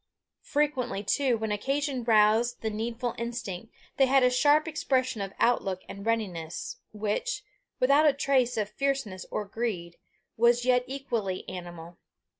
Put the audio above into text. Frequently, too, when occasion roused the needful instinct, they had a sharp expression of outlook and readiness, which, without a trace of fierceness or greed, was yet equally animal.